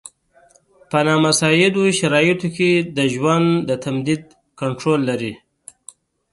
په نامساعدو شرایطو کې د ژوند د تمدید کنټرول لري.